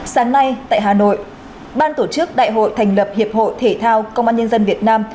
sáng nay tại hà nội ban tổ chức đại hội thành lập hiệp hội thể thao công an nhân dân việt nam